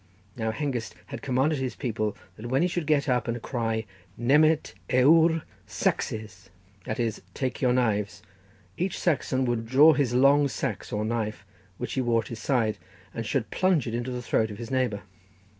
Now Hengist had commanded his people that, when he should get up and cry "nemet eoure saxes," that is, take your knives, each Saxon should draw his long sax, or knife, which he wore at his side, and should plunge it into the throat of his neighbour.